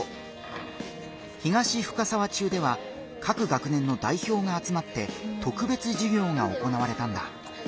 東深沢中では各学年の代表があつまって特別授業が行われたんだ。